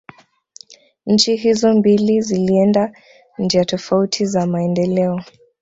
Nchi hizo mbili zilienda njia tofauti za maendeleo